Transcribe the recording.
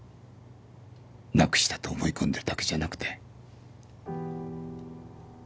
なくしたと思い込んでるだけじゃなくて？